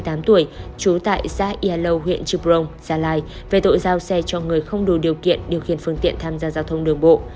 trú tại xã yà lâu huyện trư prong gia lai về tội giao xe cho người không đủ điều kiện điều khiển phương tiện tham gia giao thông đường bộ